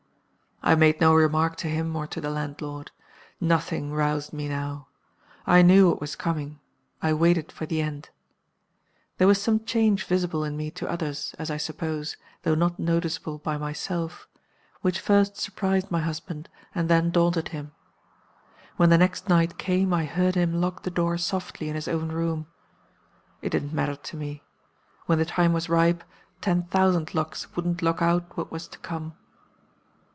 "I made no remark to him or to the landlord. Nothing roused me now. I knew what was coming; I waited for the end. There was some change visible in me to others, as I suppose, though not noticeable by myself, which first surprised my husband and then daunted him. When the next night came I heard him lock the door softly in his own room. It didn't matter to me. When the time was ripe ten thousand locks wouldn't lock out what was to come.